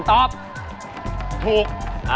ถูก